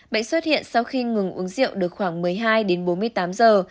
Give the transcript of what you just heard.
bệnh xuất hiện sau khi ngừng uống rượu được khoảng một mươi hai đến bốn mươi tám giờ